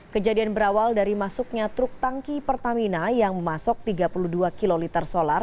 kejadian berawal dari masuknya truk tangki pertamina yang memasok tiga puluh dua kiloliter solar